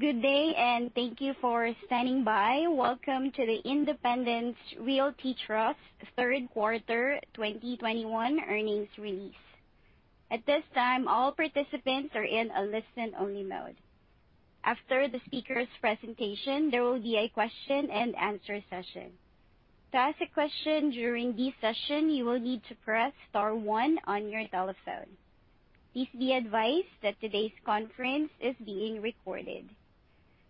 Good day, thank you for standing by. Welcome to the Independence Realty Trust third quarter 2021 earnings release. At this time, all participants are in a listen-only mode. After the speaker's presentation, there will be a question and answer session. To ask a question during this session, you will need to press star one on your telephone. Please be advised that today's conference is being recorded.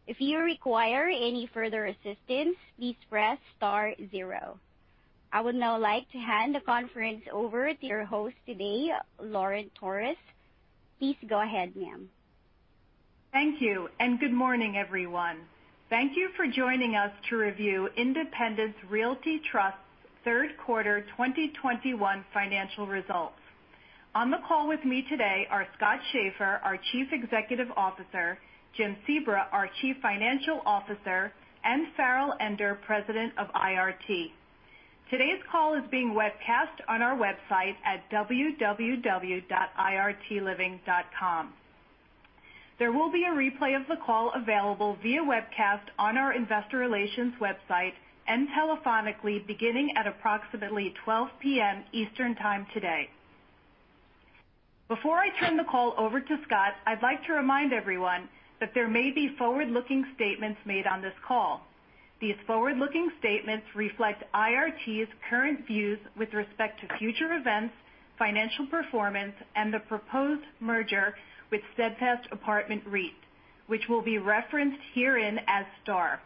If you require any further assistance, please press star zero. I would now like to hand the conference over to your host today, Lauren Torres. Please go ahead, ma'am. Thank you, and good morning, everyone. Thank you for joining us to review Independence Realty Trust's third quarter 2021 financial results. On the call with me today are Scott Schaeffer, our Chief Executive Officer, Jim Sebra, our Chief Financial Officer, and Farrell Ender, President of IRT. Today's call is being webcast on our website at www.irtliving.com. There will be a replay of the call available via webcast on our investor relations website and telephonically beginning at approximately 12 P.M. Eastern Time today. Before I turn the call over to Scott, I'd like to remind everyone that there may be forward-looking statements made on this call. These forward-looking statements reflect IRT's current views with respect to future events, financial performance, and the proposed merger with Steadfast Apartment REIT, which will be referenced herein as STAR.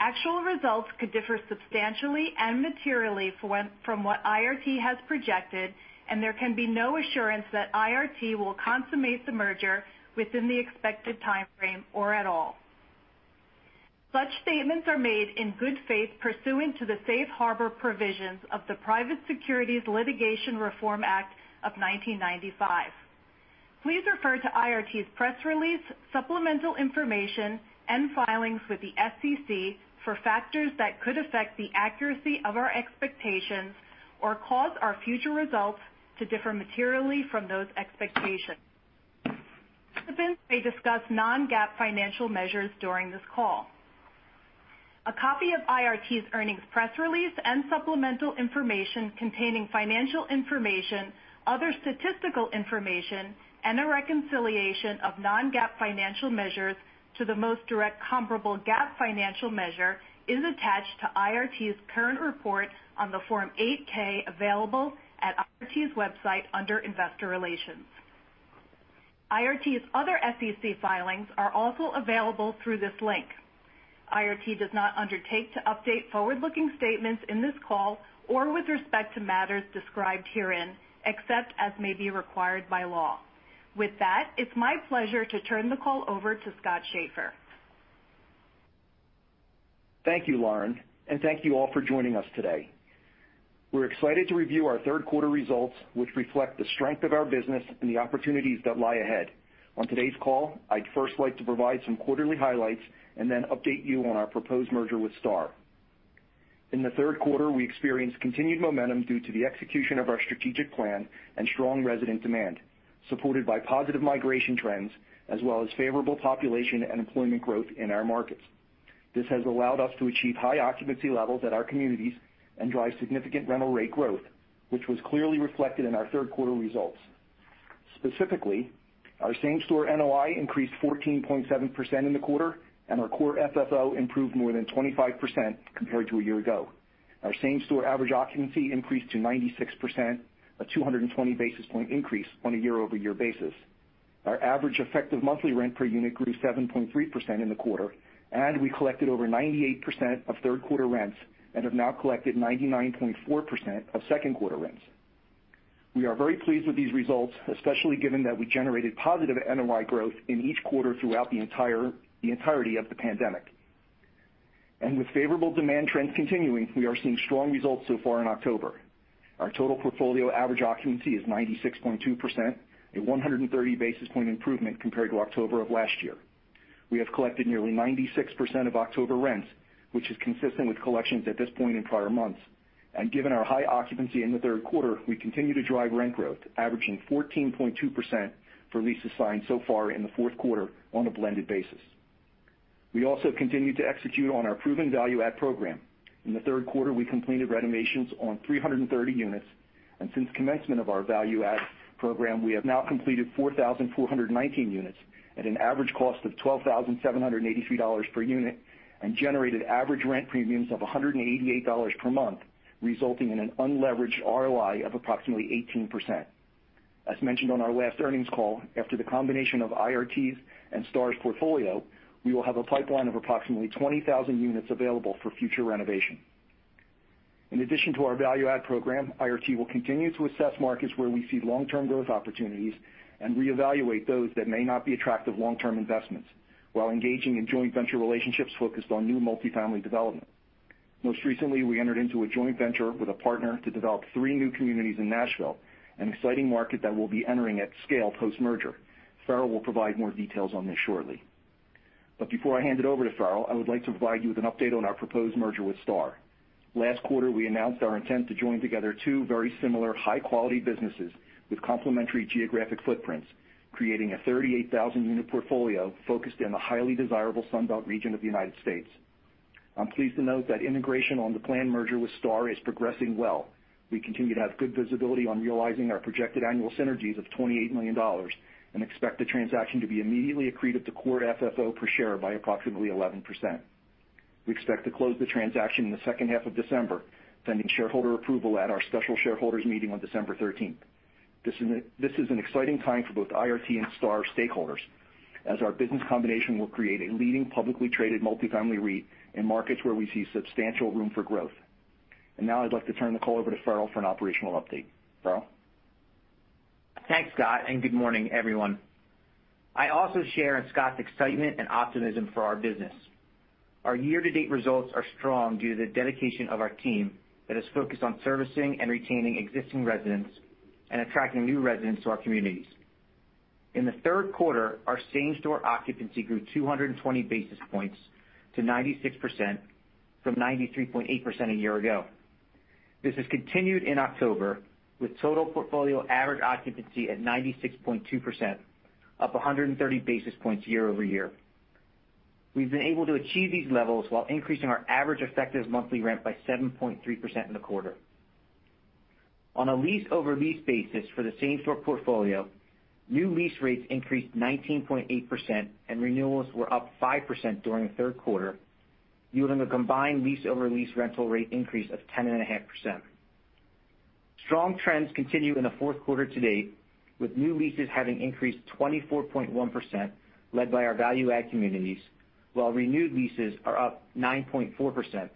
Actual results could differ substantially and materially from what IRT has projected, and there can be no assurance that IRT will consummate the merger within the expected timeframe or at all. Such statements are made in good faith pursuant to the safe harbor provisions of the Private Securities Litigation Reform Act of 1995. Please refer to IRT's press release, supplemental information, and filings with the SEC for factors that could affect the accuracy of our expectations or cause our future results to differ materially from those expectations. Participants may discuss non-GAAP financial measures during this call. A copy of IRT's earnings press release and supplemental information containing financial information, other statistical information, and a reconciliation of non-GAAP financial measures to the most direct comparable GAAP financial measure is attached to IRT's current report on the Form 8-K available at IRT's website under Investor Relations. IRT's other SEC filings are also available through this link. IRT does not undertake to update forward-looking statements in this call or with respect to matters described herein, except as may be required by law. With that, it's my pleasure to turn the call over to Scott Schaeffer. Thank you, Lauren, and thank you all for joining us today. We're excited to review our third quarter results, which reflect the strength of our business and the opportunities that lie ahead. On today's call, I'd first like to provide some quarterly highlights and then update you on our proposed merger with STAR. In the third quarter, we experienced continued momentum due to the execution of our strategic plan and strong resident demand, supported by positive migration trends as well as favorable population and employment growth in our markets. This has allowed us to achieve high occupancy levels at our communities and drive significant rental rate growth, which was clearly reflected in our third quarter results. Specifically, our same-store NOI increased 14.7% in the quarter, and our core FFO improved more than 25% compared to a year ago. Our same-store average occupancy increased to 96%, a 220 basis point increase on a year-over-year basis. Our average effective monthly rent per unit grew 7.3% in the quarter, and we collected over 98% of third quarter rents and have now collected 99.4% of second quarter rents. We are very pleased with these results, especially given that we generated positive NOI growth in each quarter throughout the entirety of the pandemic. With favorable demand trends continuing, we are seeing strong results so far in October. Our total portfolio average occupancy is 96.2%, a 130 basis point improvement compared to October of last year. We have collected nearly 96% of October rents, which is consistent with collections at this point in prior months. Given our high occupancy in the third quarter, we continue to drive rent growth, averaging 14.2% for leases signed so far in the fourth quarter on a blended basis. We also continue to execute on our proven value-add program. In the third quarter, we completed renovations on 330 units. Since commencement of our value-add program, we have now completed 4,419 units at an average cost of $12,783 per unit and generated average rent premiums of $188 per month, resulting in an unleveraged ROI of approximately 18%. As mentioned on our last earnings call, after the combination of IRT's and STAR's portfolio, we will have a pipeline of approximately 20,000 units available for future renovation. In addition to our value add program, IRT will continue to assess markets where we see long-term growth opportunities and reevaluate those that may not be attractive long-term investments while engaging in joint venture relationships focused on new multifamily development. Most recently, we entered into a joint venture with a partner to develop three new communities in Nashville, an exciting market that we'll be entering at scale post-merger. Farrell will provide more details on this shortly. Before I hand it over to Farrell, I would like to provide you with an update on our proposed merger with STAR. Last quarter, we announced our intent to join together two very similar high-quality businesses with complementary geographic footprints, creating a 38,000-unit portfolio focused in the highly desirable Sunbelt region of the United States. I'm pleased to note that integration on the planned merger with STAR is progressing well. We continue to have good visibility on realizing our projected annual synergies of $28 million, and expect the transaction to be immediately accretive to core FFO per share by approximately 11%. We expect to close the transaction in the second half of December, pending shareholder approval at our special shareholders meeting on December thirteenth. This is an exciting time for both IRT and STAR stakeholders, as our business combination will create a leading publicly traded multifamily REIT in markets where we see substantial room for growth. Now I'd like to turn the call over to Farrell for an operational update. Farrell. Thanks, Scott, and good morning, everyone. I also share in Scott's excitement and optimism for our business. Our year-to-date results are strong due to the dedication of our team that is focused on servicing and retaining existing residents and attracting new residents to our communities. In the third quarter, our same-store occupancy grew 220 basis points to 96% from 93.8% a year ago. This has continued in October with total portfolio average occupancy at 96.2%, up 130 basis points year-over-year. We've been able to achieve these levels while increasing our average effective monthly rent by 7.3% in the quarter. On a lease-over-lease basis for the same-store portfolio, new lease rates increased 19.8% and renewals were up 5% during the third quarter, yielding a combined lease-over-lease rental rate increase of 10.5%. Strong trends continue in the fourth quarter to date, with new leases having increased 24.1% led by our value add communities, while renewed leases are up 9.4%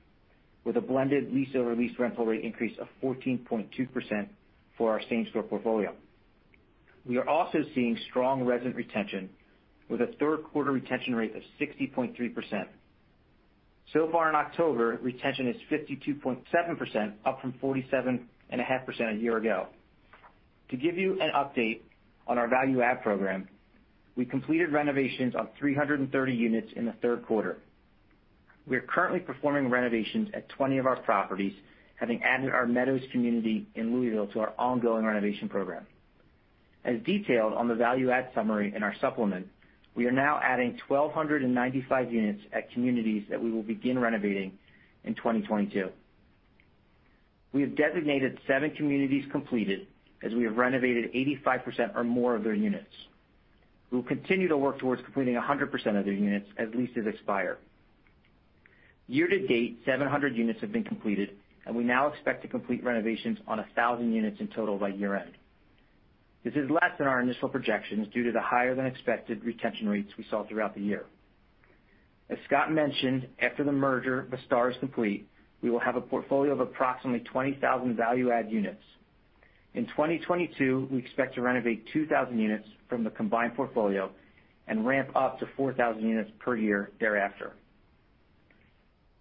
with a blended lease-over-lease rental rate increase of 14.2% for our same-store portfolio. We are also seeing strong resident retention with a third quarter retention rate of 60.3%. So far in October, retention is 52.7%, up from 47.5% a year ago. To give you an update on our value add program, we completed renovations of 330 units in the third quarter. We are currently performing renovations at 20 of our properties, having added our Meadows community in Louisville to our ongoing renovation program. As detailed on the value add summary in our supplement, we are now adding 1,295 units at communities that we will begin renovating in 2022. We have designated seven communities completed as we have renovated 85% or more of their units. We will continue to work towards completing 100% of their units as leases expire. Year to date, 700 units have been completed, and we now expect to complete renovations on 1,000 units in total by year-end. This is less than our initial projections due to the higher than expected retention rates we saw throughout the year. As Scott mentioned, after the merger with STAR is complete, we will have a portfolio of approximately 20,000 value add units. In 2022, we expect to renovate 2,000 units from the combined portfolio and ramp up to 4,000 units per year thereafter.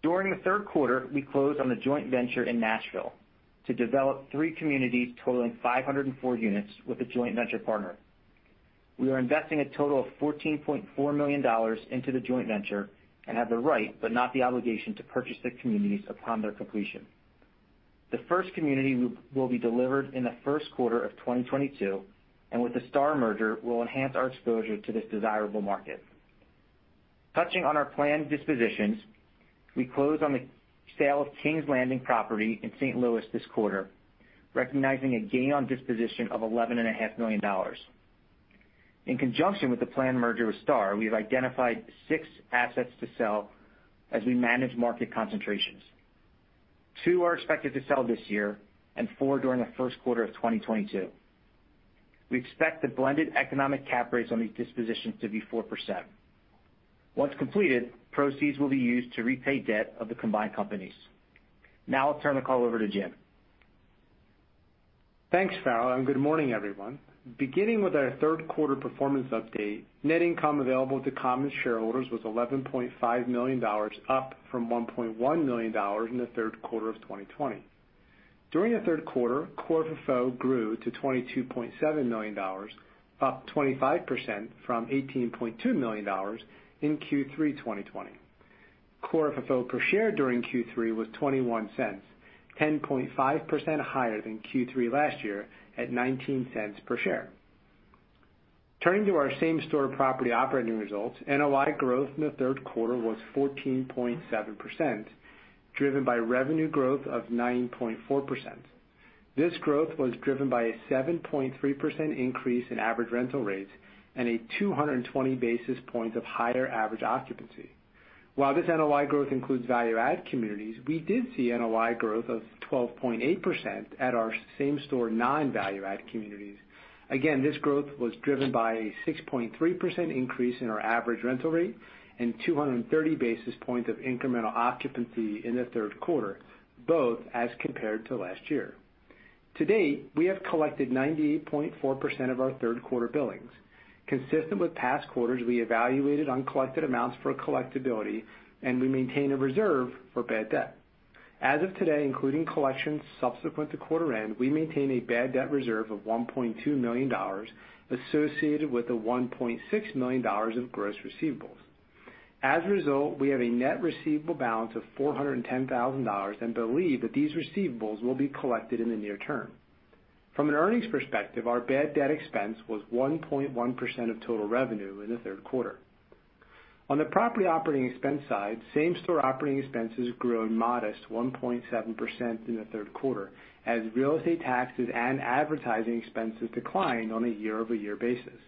During the third quarter, we closed on the joint venture in Nashville to develop three communities totaling 504 units with a joint venture partner. We are investing a total of $14.4 million into the joint venture and have the right, but not the obligation, to purchase the communities upon their completion. The first community will be delivered in the first quarter of 2022, and with the STAR merger will enhance our exposure to this desirable market. Touching on our planned dispositions, we closed on the sale of King's Landing property in St. Louis this quarter, recognizing a gain on disposition of $11.5 million. In conjunction with the planned merger with STAR, we have identified six assets to sell as we manage market concentrations. two are expected to sell this year and four during the first quarter of 2022. We expect the blended economic cap rates on these dispositions to be 4%. Once completed, proceeds will be used to repay debt of the combined companies. Now I'll turn the call over to Jim. Thanks, Farrell, and good morning, everyone. Beginning with our third quarter performance update, net income available to common shareholders was $11.5 million, up from $1.1 million in the third quarter of 2020. During the third quarter, core FFO grew to $22.7 million, up 25% from $18.2 million in Q3 2020. Core FFO per share during Q3 was $0.21, 10.5% higher than Q3 last year at $0.19 per share. Turning to our same-store property operating results, NOI growth in the third quarter was 14.7%, driven by revenue growth of 9.4%. This growth was driven by a 7.3% increase in average rental rates and 220 basis points of higher average occupancy. While this NOI growth includes value add communities, we did see NOI growth of 12.8% at our same-store non-value add communities. Again, this growth was driven by a 6.3% increase in our average rental rate and 230 basis points of incremental occupancy in the third quarter, both as compared to last year. To date, we have collected 98.4% of our third quarter billings. Consistent with past quarters, we evaluated uncollected amounts for collectibility, and we maintain a reserve for bad debt. As of today, including collections subsequent to quarter end, we maintain a bad debt reserve of $1.2 million associated with the $1.6 million of gross receivables. As a result, we have a net receivable balance of $410,000 and believe that these receivables will be collected in the near term. From an earnings perspective, our bad debt expense was 1.1% of total revenue in the third quarter. On the property operating expense side, same-store operating expenses grew a modest 1.7% in the third quarter as real estate taxes and advertising expenses declined on a year-over-year basis.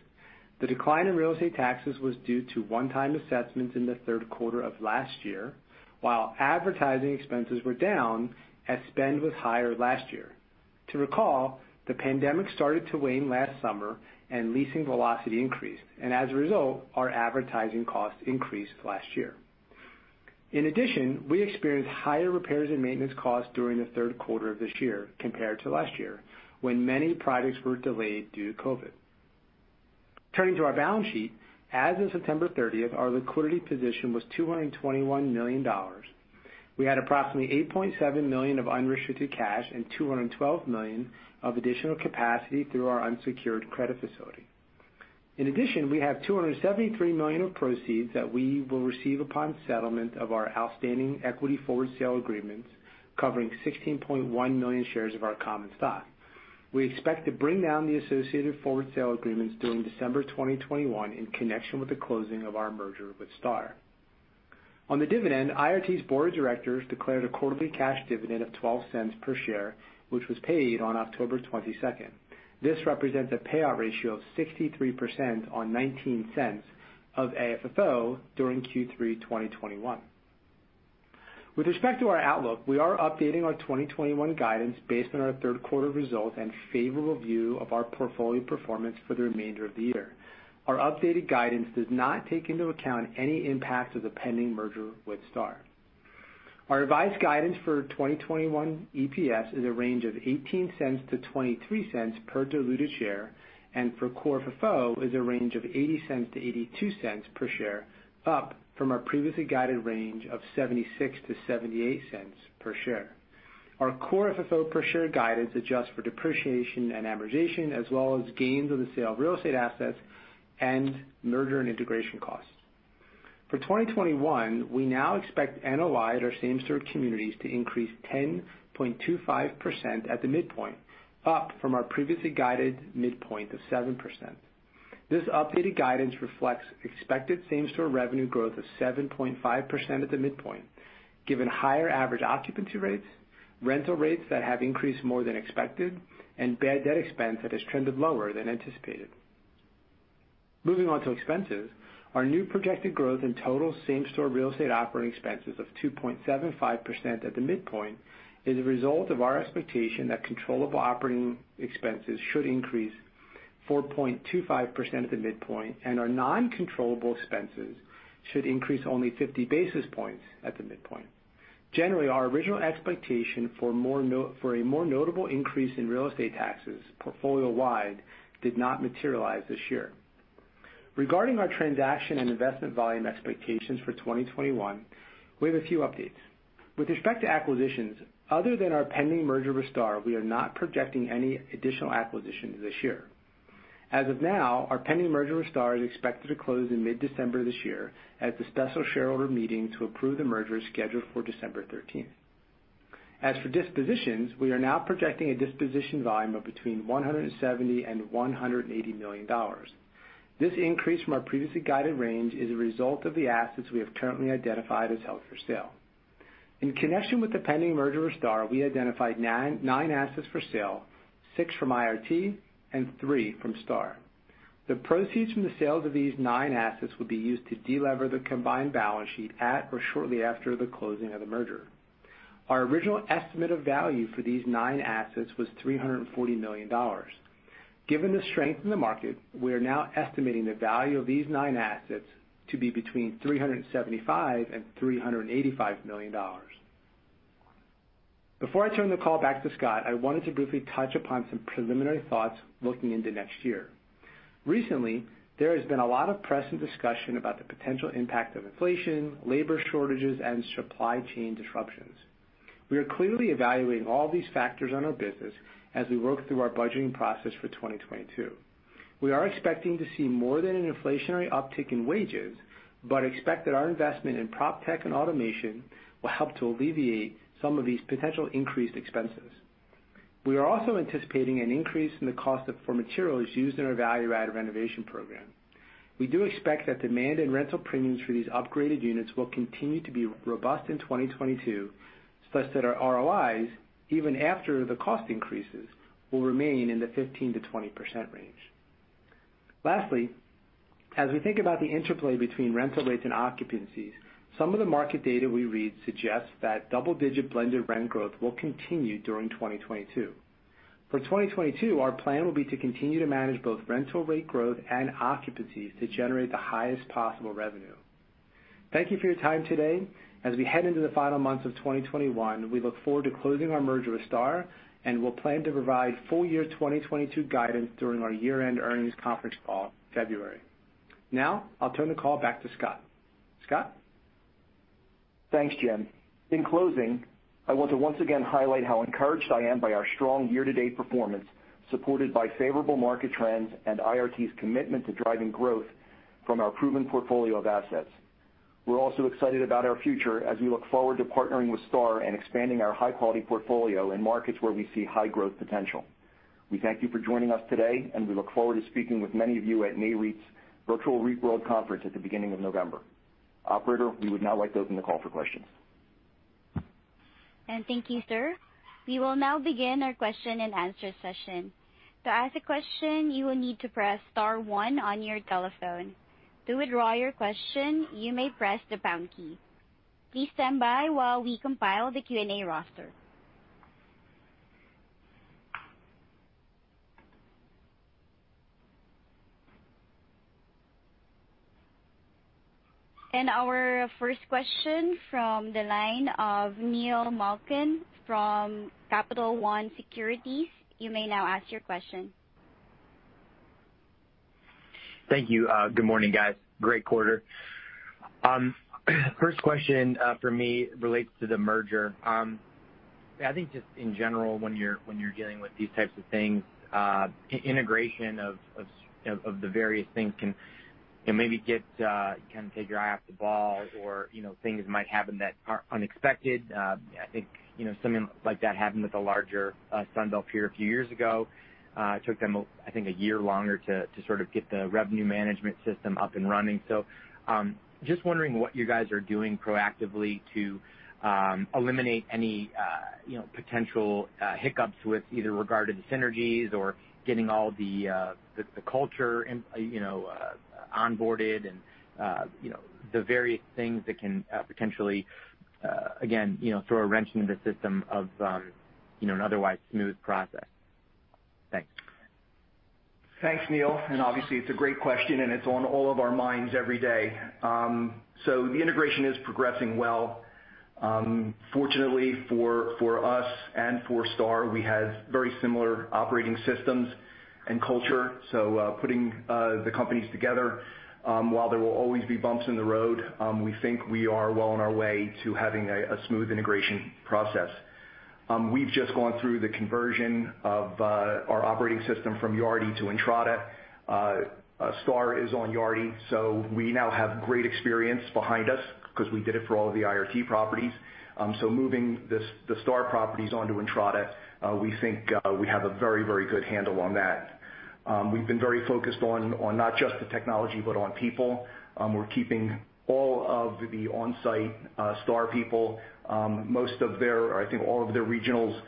The decline in real estate taxes was due to one-time assessments in the third quarter of last year, while advertising expenses were down as spend was higher last year. To recall, the pandemic started to wane last summer and leasing velocity increased, and as a result, our advertising costs increased last year. In addition, we experienced higher repairs and maintenance costs during the third quarter of this year compared to last year, when many projects were delayed due to COVID. Turning to our balance sheet, as of September 30, our liquidity position was $221 million. We had approximately $8.7 million of unrestricted cash and $212 million of additional capacity through our unsecured credit facility. In addition, we have $273 million of proceeds that we will receive upon settlement of our outstanding equity forward sale agreements, covering 16.1 million shares of our common stock. We expect to bring down the associated forward sale agreements during December 2021 in connection with the closing of our merger with STAR. On the dividend, IRT's board of directors declared a quarterly cash dividend of $0.12 per share, which was paid on October 22. This represents a payout ratio of 63% on $0.19 of AFFO during Q3 2021. With respect to our outlook, we are updating our 2021 guidance based on our third quarter results and favorable view of our portfolio performance for the remainder of the year. Our updated guidance does not take into account any impact of the pending merger with STAR. Our revised guidance for 2021 EPS is a range of $0.18-$0.23 per diluted share, and for core FFO is a range of $0.80-$0.82 per share, up from our previously guided range of $0.76-$0.78 per share. Our core FFO per share guidance adjusts for depreciation and amortization, as well as gains on the sale of real estate assets and merger and integration costs. For 2021, we now expect NOI at our same-store communities to increase 10.25% at the midpoint, up from our previously guided midpoint of 7%. This updated guidance reflects expected same-store revenue growth of 7.5% at the midpoint, given higher average occupancy rates, rental rates that have increased more than expected, and bad debt expense that has trended lower than anticipated. Moving on to expenses, our new projected growth in total same-store real estate operating expenses of 2.75% at the midpoint is a result of our expectation that controllable operating expenses should increase 4.25% at the midpoint, and our non-controllable expenses should increase only 50 basis points at the midpoint. Generally, our original expectation for a more notable increase in real estate taxes portfolio-wide did not materialize this year. Regarding our transaction and investment volume expectations for 2021, we have a few updates. With respect to acquisitions, other than our pending merger with STAR, we are not projecting any additional acquisitions this year. As of now, our pending merger with STAR is expected to close in mid-December this year at the special shareholder meeting to approve the merger scheduled for December 13. As for dispositions, we are now projecting a disposition volume of between $170 million and $180 million. This increase from our previously guided range is a result of the assets we have currently identified as held for sale. In connection with the pending merger with STAR, we identified nine assets for sale, six from IRT and three from STAR. The proceeds from the sales of these nine assets will be used to de-lever the combined balance sheet at or shortly after the closing of the merger. Our original estimate of value for these nine assets was $340 million. Given the strength in the market, we are now estimating the value of these nine assets to be between $375 million and $385 million. Before I turn the call back to Scott, I wanted to briefly touch upon some preliminary thoughts looking into next year. Recently, there has been a lot of press and discussion about the potential impact of inflation, labor shortages, and supply chain disruptions. We are clearly evaluating all these factors on our business as we work through our budgeting process for 2022. We are expecting to see more than an inflationary uptick in wages, but expect that our investment in proptech and automation will help to alleviate some of these potential increased expenses. We are also anticipating an increase in the cost of materials used in our value-add renovation program. We do expect that demand and rental premiums for these upgraded units will continue to be robust in 2022, such that our ROIs, even after the cost increases, will remain in the 15%-20% range. Lastly, as we think about the interplay between rental rates and occupancies, some of the market data we read suggests that double-digit blended rent growth will continue during 2022. For 2022, our plan will be to continue to manage both rental rate growth and occupancies to generate the highest possible revenue. Thank you for your time today. As we head into the final months of 2021, we look forward to closing our merger with STAR, and we'll plan to provide full year 2022 guidance during our year-end earnings conference call February. Now I'll turn the call back to Scott. Scott? Thanks, Jim. In closing, I want to once again highlight how encouraged I am by our strong year-to-date performance, supported by favorable market trends and IRT's commitment to driving growth from our proven portfolio of assets. We're also excited about our future as we look forward to partnering with STAR and expanding our high-quality portfolio in markets where we see high growth potential. We thank you for joining us today, and we look forward to speaking with many of you at Nareit's REITworld: 2021 Annual Conference at the beginning of November. Operator, we would now like to open the call for questions. Thank you, sir. We will now begin our question-and-answer session. To ask a question, you will need to press star one on your telephone. To withdraw your question, you may press the pound key. Please stand by while we compile the Q&A roster. Our first question from the line of Neil Malkin from Capital One Securities. You may now ask your question. Thank you. Good morning, guys. Great quarter. First question from me relates to the merger. I think just in general, when you're dealing with these types of things, integration of the various things can take your eye off the ball or, you know, things might happen that are unexpected. I think, you know, something like that happened with the larger Sunbelt peer a few years ago. It took them, I think, a year longer to sort of get the revenue management system up and running. Just wondering what you guys are doing proactively to eliminate any, you know, potential hiccups with either regarding synergies or getting all the culture, you know, onboarded and, you know, the various things that can potentially again, you know, throw a wrench into the system of, you know, an otherwise smooth process. Thanks. Thanks, Neil. Obviously, it's a great question, and it's on all of our minds every day. The integration is progressing well. Fortunately for us and for STAR, we have very similar operating systems and culture. Putting the companies together, while there will always be bumps in the road, we think we are well on our way to having a smooth integration process. We've just gone through the conversion of our operating system from Yardi to Entrata. STAR is on Yardi, so we now have great experience behind us 'cause we did it for all of the IRT properties. Moving the STAR properties onto Entrata, we think we have a very, very good handle on that. We've been very focused on not just the technology, but on people. We're keeping all of the on-site STAR people. Most of their, or I think all of their regionals,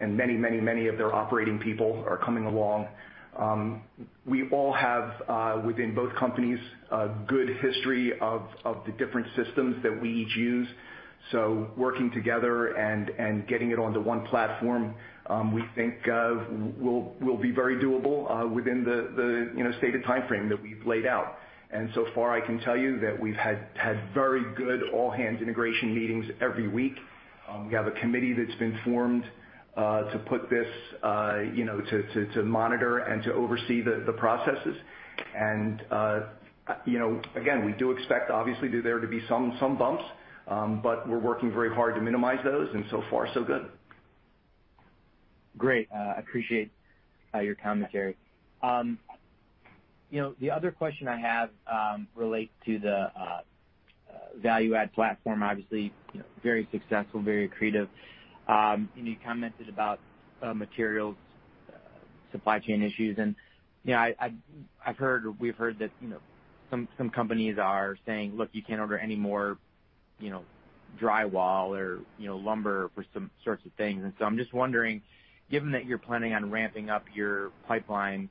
and many of their operating people are coming along. We all have within both companies a good history of the different systems that we each use. Working together and getting it onto one platform, we think will be very doable within the, you know, stated timeframe that we've laid out. So far, I can tell you that we've had very good all-hands integration meetings every week. We have a committee that's been formed to put this, you know, to monitor and to oversee the processes. You know, again, we do expect obviously there to be some bumps, but we're working very hard to minimize those, and so far, so good. Great. I appreciate your commentary. You know, the other question I have relates to the value-add platform, obviously very successful, very accretive. You commented about materials supply chain issues. You know, I've heard, we've heard that, you know, some companies are saying, "Look, you can't order any more, you know, drywall or, you know, lumber for some sorts of things." I'm just wondering, given that you're planning on ramping up your pipeline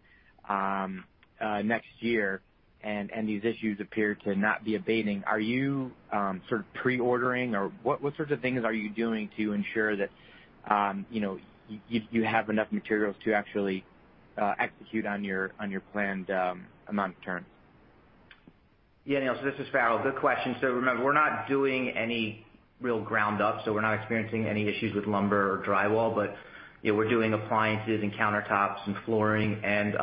next year and these issues appear to not be abating, are you sort of pre-ordering or what sorts of things are you doing to ensure that, you know, you have enough materials to actually execute on your planned amount of turns? Yeah, Neil, this is Farrell. Good question. Remember, we're not doing any real ground up, so we're not experiencing any issues with lumber or drywall. You know, we're doing appliances and countertops and flooring and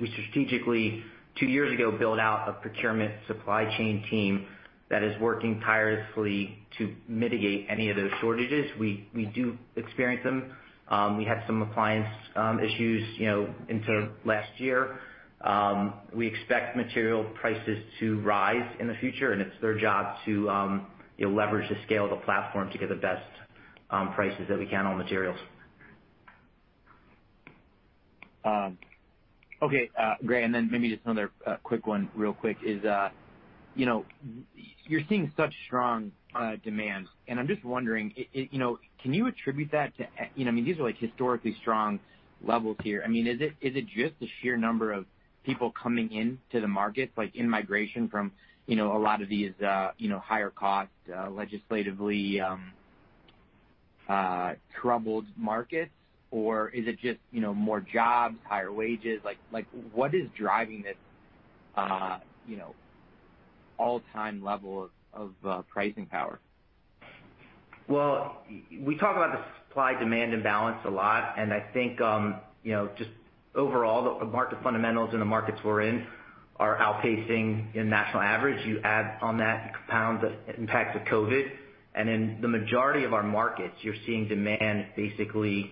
we strategically two years ago built out a procurement supply chain team that is working tirelessly to mitigate any of those shortages. We do experience them. We had some appliance issues, you know, into last year. We expect material prices to rise in the future, and it's their job to you know, leverage the scale of the platform to get the best prices that we can on materials. Okay, great. Maybe just another quick one real quick is, you know, you're seeing such strong demand. I'm just wondering, you know, can you attribute that to you know I mean these are like historically strong levels here. I mean, is it just the sheer number of people coming into the market, like in migration from, you know, a lot of these higher cost, legislatively troubled markets? Or is it just, you know, more jobs, higher wages? Like, what is driving this, you know, all-time level of pricing power? Well, we talk about the supply-demand imbalance a lot, and I think, you know, just overall, the market fundamentals in the markets we're in are outpacing the national average. You add on that, you compound the impact of COVID, and in the majority of our markets, you're seeing demand basically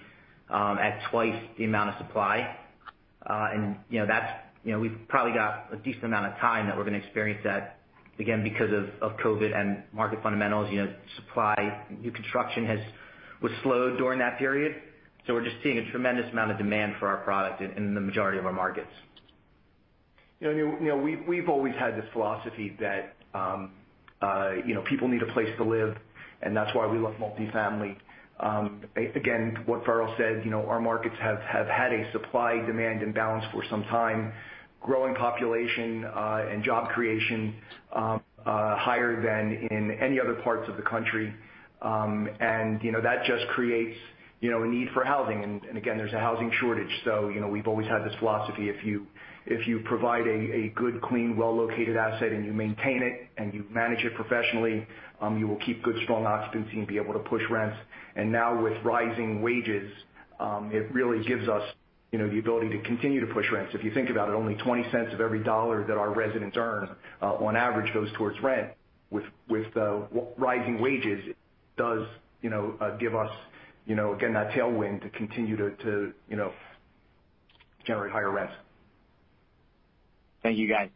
at twice the amount of supply. You know, that's, you know, we've probably got a decent amount of time that we're gonna experience that, again, because of COVID and market fundamentals. You know, supply, new construction was slowed during that period. We're just seeing a tremendous amount of demand for our product in the majority of our markets. You know, we've always had this philosophy that, you know, people need a place to live, and that's why we love multifamily. Again, what Farrell said, you know, our markets have had a supply-demand imbalance for some time with growing population and job creation higher than in any other parts of the country. You know, that just creates, you know, a need for housing. Again, there's a housing shortage. You know, we've always had this philosophy, if you provide a good, clean, well-located asset and you maintain it and you manage it professionally, you will keep good, strong occupancy and be able to push rents. Now with rising wages, it really gives us, you know, the ability to continue to push rents. If you think about it, only 20 cents of every $1 that our residents earn, on average, goes towards rent. With rising wages, it does, you know, give us, you know, again, that tailwind to continue to generate higher rents. Thank you, guys.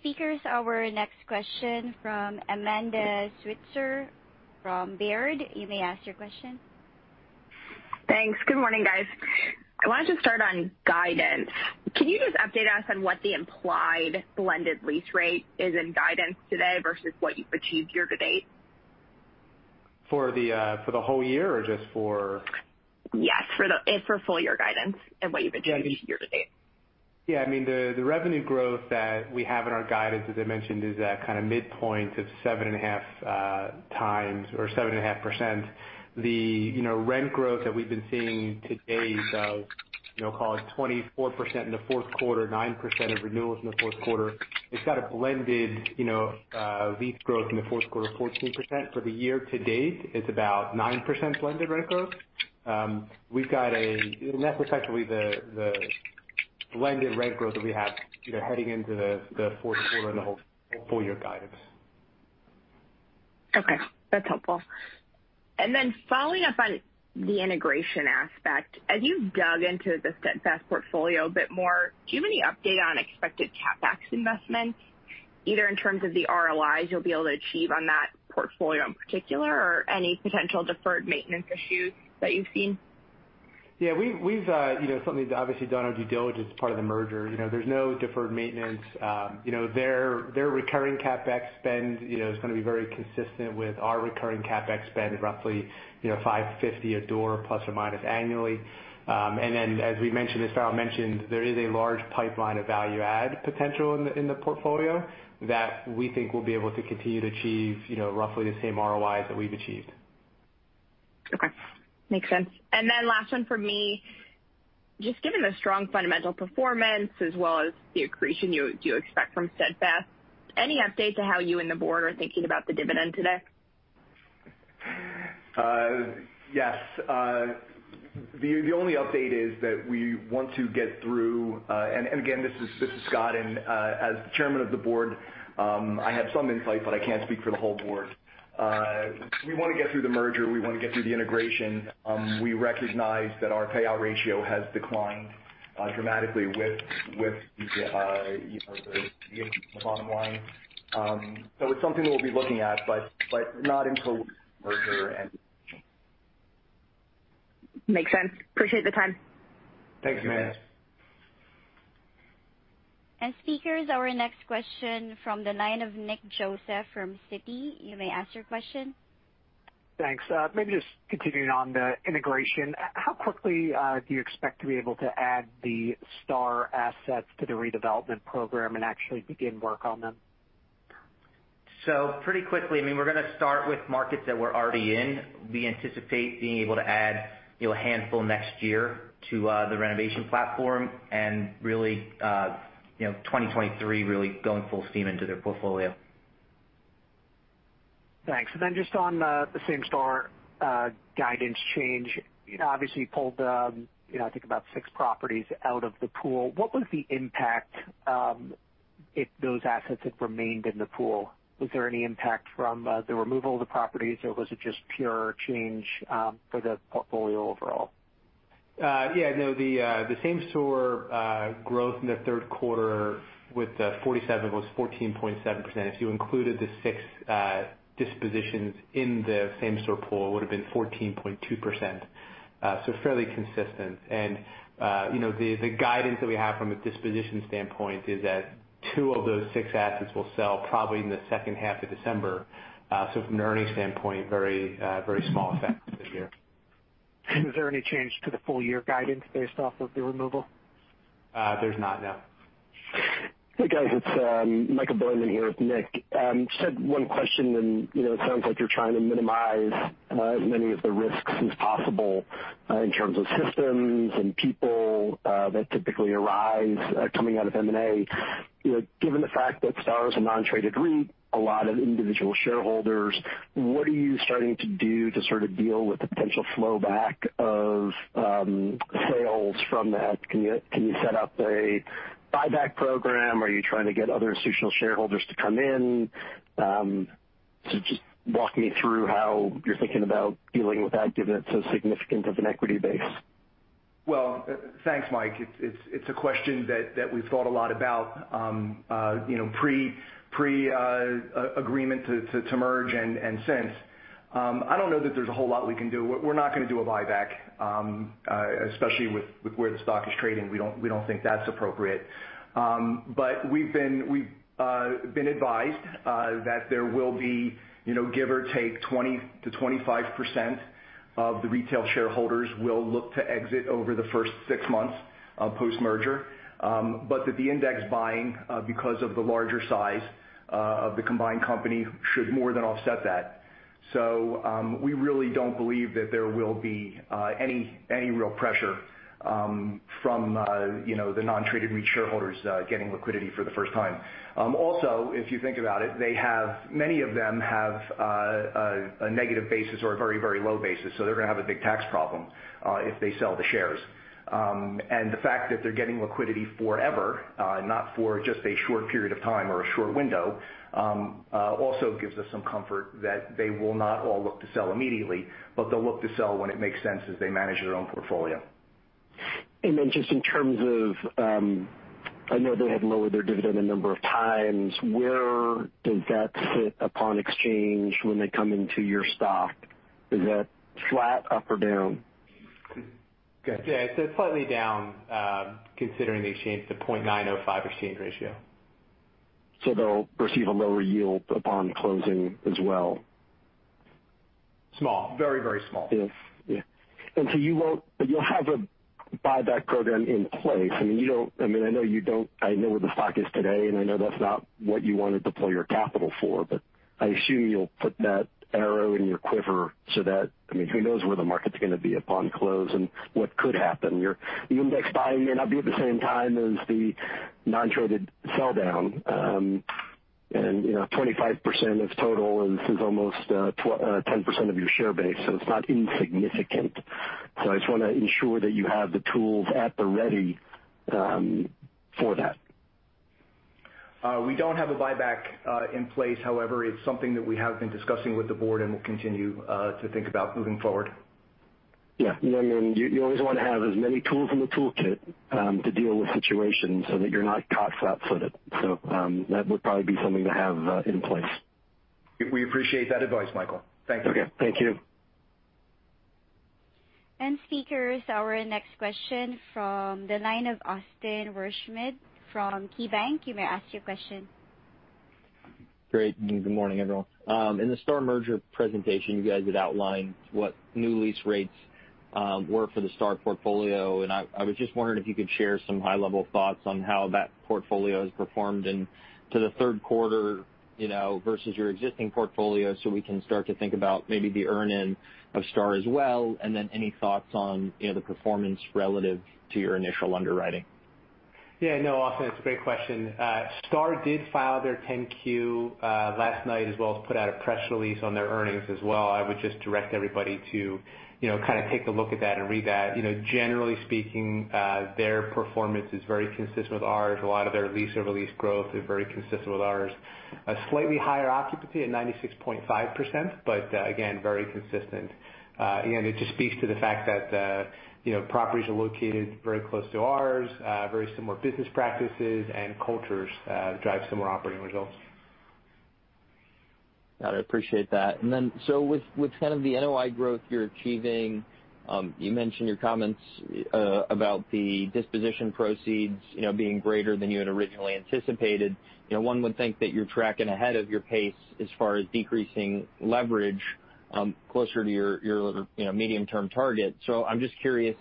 speakers, our next question from Amanda Sweitzer from Baird. You may ask your question. Thanks. Good morning, guys. I wanted to start on guidance. Can you just update us on what the implied blended lease rate is in guidance today versus what you've achieved year to date? For the whole year or just for? Yes, for full year guidance and what you've achieved year to date. Yeah, I mean, the revenue growth that we have in our guidance, as I mentioned, is that kind of midpoint of 7.5x or 7.5%. The rent growth that we've been seeing to date of call it 24% in the fourth quarter, 9% of renewals in the fourth quarter. It's got a blended lease growth in the fourth quarter, 14%. For the year to date, it's about 9% blended rent growth. And that's effectively the blended rent growth that we have, you know, heading into the fourth quarter and the whole full year guidance. Okay. That's helpful. Following up on the integration aspect, as you've dug into the Steadfast portfolio a bit more, do you have any update on expected CapEx investments, either in terms of the ROIs you'll be able to achieve on that portfolio in particular or any potential deferred maintenance issues that you've seen? Yeah, we've you know, obviously done our due diligence as part of the merger. You know, there's no deferred maintenance. You know, their recurring CapEx spend you know, is gonna be very consistent with our recurring CapEx spend, roughly you know, 550 a door plus or minus annually. As we mentioned, as Farrell mentioned, there is a large pipeline of value add potential in the portfolio that we think we'll be able to continue to achieve you know, roughly the same ROIs that we've achieved. Okay. Makes sense. Last one from me. Just given the strong fundamental performance as well as the accretion you expect from Steadfast, any update to how you and the board are thinking about the dividend today? Yes. The only update is that we want to get through. Again, this is Scott. As Chairman of the board, I have some insight, but I can't speak for the whole board. We wanna get through the merger. We wanna get through the integration. We recognize that our payout ratio has declined dramatically with the you know, the bottom line. It's something that we'll be looking at, but not until merger and integration. Makes sense. I appreciate the time. Thanks, Amanda. Speakers, our next question from the line of Nick Joseph from Citi. You may ask your question. Thanks. Maybe just continuing on the integration. How quickly do you expect to be able to add the STAR assets to the redevelopment program and actually begin work on them? Pretty quickly, I mean, we're gonna start with markets that we're already in. We anticipate being able to add, you know, a handful next year to the renovation platform and really, you know, 2023 really going full steam into their portfolio. Thanks. Just on the same-store guidance change. You know, obviously you pulled, you know, I think about six properties out of the pool. What was the impact if those assets had remained in the pool? Was there any impact from the removal of the properties, or was it just pure change for the portfolio overall? The same-store growth in the third quarter with 47 was 14.7%. If you included the six dispositions in the same-store pool, it would've been 14.2%. So fairly consistent. You know, the guidance that we have from a disposition standpoint is that two of those six assets will sell probably in the second half of December. So from an earnings standpoint, very small effect to the year. Is there any change to the full year guidance based off of the removal? There's not. No. Hey, guys, it's Michael Bilerman here with Nick. Just had one question. You know, it sounds like you're trying to minimize as many of the risks as possible in terms of systems and people that typically arise coming out of M&A. You know, given the fact that STAR is a non-traded REIT, a lot of individual shareholders, what are you starting to do to sort of deal with the potential flow back of sales from that? Can you set up a buyback program? Are you trying to get other institutional shareholders to come in? Just walk me through how you're thinking about dealing with that given it's so significant of an equity base. Well, thanks, Mike. It's a question that we've thought a lot about, you know, pre-agreement to merge and since. I don't know that there's a whole lot we can do. We're not gonna do a buyback, especially with where the stock is trading. We don't think that's appropriate. We've been advised that there will be, you know, give or take 20%-25% of the retail shareholders will look to exit over the first six months post-merger. That the index buying, because of the larger size of the combined company, should more than offset that. We really don't believe that there will be any real pressure from you know, the non-traded REIT shareholders getting liquidity for the first time. Also, if you think about it, many of them have a negative basis or a very low basis, so they're gonna have a big tax problem if they sell the shares. The fact that they're getting liquidity forever, not for just a short period of time or a short window, also gives us some comfort that they will not all look to sell immediately, but they'll look to sell when it makes sense as they manage their own portfolio. Just in terms of, I know they have lowered their dividend a number of times, where does that sit upon exchange when they come into your stock? Is that flat up or down? Go ahead. Yeah. It's slightly down, considering the exchange to 0.905 exchange ratio. They'll receive a lower yield upon closing as well. Small. Very, very small. Yes. Yeah. You'll have a buyback program in place. I mean, I know where the stock is today, and I know that's not what you wanted to pull your capital for, but I assume you'll put that arrow in your quiver so that, I mean, who knows where the market's gonna be upon close and what could happen. The index buying may not be at the same time as the non-traded sell down. You know, 25% of total, and this is almost 10% of your share base, so it's not insignificant. I just wanna ensure that you have the tools at the ready for that. We don't have a buyback in place. However, it's something that we have been discussing with the board and will continue to think about moving forward. Yeah. You know what I mean? You always wanna have as many tools in the toolkit to deal with situations so that you're not caught flat-footed. That would probably be something to have in place. We appreciate that advice, Michael. Thank you. Okay. Thank you. Speakers, our next question from the line of Austin Wurschmidt from KeyBanc. You may ask your question. Great. Good morning, everyone. In the STAR merger presentation, you guys had outlined what new lease rates were for the STAR portfolio, and I was just wondering if you could share some high-level thoughts on how that portfolio has performed up to the third quarter, you know, versus your existing portfolio, so we can start to think about maybe the earn-in of STAR as well, and then any thoughts on, you know, the performance relative to your initial underwriting. Yeah, no, Austin, it's a great question. STAR did file their 10-Q last night, as well as put out a press release on their earnings as well. I would just direct everybody to, you know, kind of take a look at that and read that. You know, generally speaking, their performance is very consistent with ours. A lot of their lease-to-lease growth is very consistent with ours. A slightly higher occupancy at 96.5%, but, again, very consistent. It just speaks to the fact that, you know, properties are located very close to ours, very similar business practices and cultures drive similar operating results. Got it. Appreciate that. With kind of the NOI growth you're achieving, you mentioned your comments about the disposition proceeds, you know, being greater than you had originally anticipated. You know, one would think that you're tracking ahead of your pace as far as decreasing leverage, closer to your, you know, medium-term target. I'm just curious,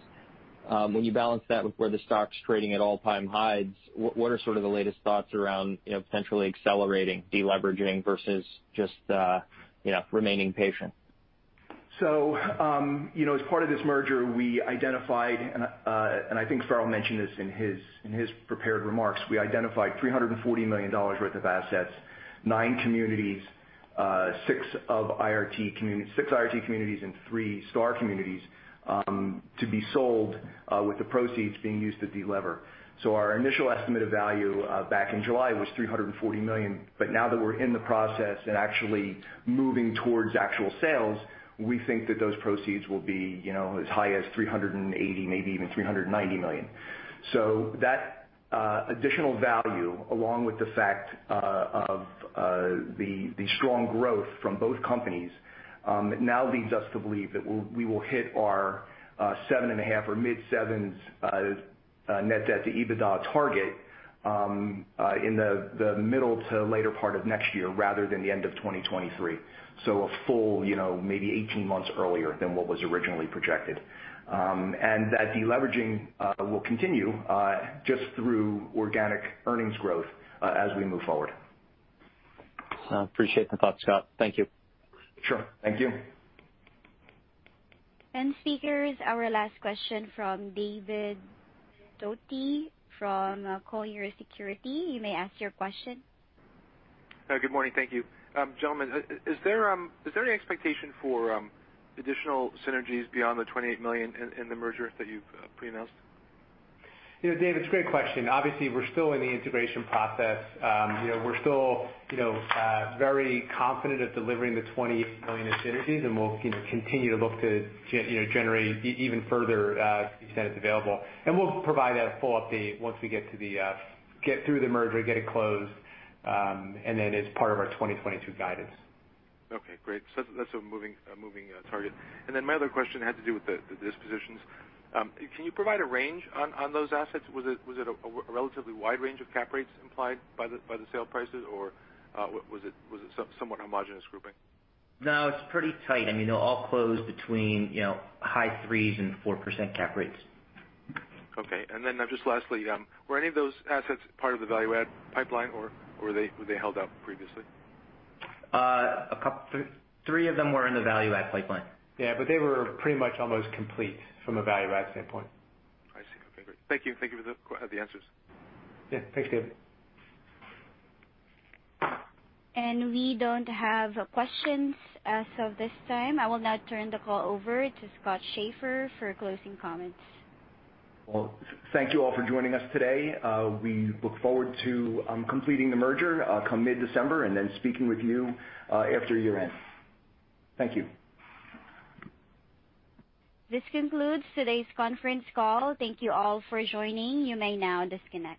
when you balance that with where the stock's trading at all-time highs, what are sort of the latest thoughts around, you know, potentially accelerating de-leveraging versus just, you know, remaining patient? You know, as part of this merger, we identified, and I think Farrell mentioned this in his prepared remarks, we identified $340 million worth of assets, nine communities, six IRT communities and three Star communities, to be sold, with the proceeds being used to de-lever. Our initial estimated value back in July was $340 million. Now that we're in the process and actually moving towards actual sales, we think that those proceeds will be, you know, as high as $380 million, maybe even $390 million. That additional value, along with the fact of the strong growth from both companies, now leads us to believe that we will hit our 7.5 or mid-7s net debt to EBITDA target. In the middle to later part of next year rather than the end of 2023. A full, you know, maybe 18 months earlier than what was originally projected. And that deleveraging will continue just through organic earnings growth as we move forward. Appreciate the thought, Scott. Thank you. Sure. Thank you. speakers, our last question from David Toti from Colliers Securities. You may ask your question. Good morning. Thank you. Gentlemen, is there any expectation for additional synergies beyond the $28 million in the merger that you've pre-announced? You know, Dave, it's a great question. Obviously, we're still in the integration process. You know, we're still, you know, very confident at delivering the $28 million in synergies, and we'll, you know, continue to look to generate even further synergies available. We'll provide that full update once we get through the merger, get it closed, and then as part of our 2022 guidance. Okay, great. That's a moving target. My other question had to do with the dispositions. Can you provide a range on those assets? Was it a relatively wide range of cap rates implied by the sale prices? Or was it somewhat homogeneous grouping? No, it's pretty tight. I mean, they're all closed between, you know, high 3s and 4% cap rates. Okay. Then just lastly, were any of those assets part of the value add pipeline, or were they held out previously? Three of them were in the value add pipeline. They were pretty much almost complete from a value add standpoint. I see. Okay, great. Thank you. Thank you for the answers. Yeah. Thanks, David. We don't have questions as of this time. I will now turn the call over to Scott Schaeffer for closing comments. Well, thank you all for joining us today. We look forward to completing the merger come mid-December and then speaking with you after year-end. Thank you. This concludes today's conference call. Thank you all for joining. You may now disconnect.